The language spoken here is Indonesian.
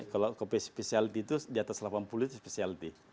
kalau kopi spesiality itu diatas delapan puluh itu spesiality